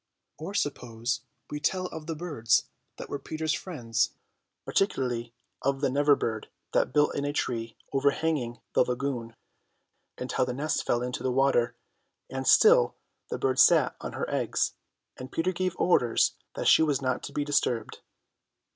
Or suppose we tell of the birds that were Peter's friends, particularly of the Never bird that built in a tree overhanging the lagoon, and how the nest fell into the water, and still the bird sat on her eggs, and Peter gave orders that she was not to be disturbed.